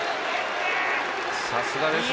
さすがですね。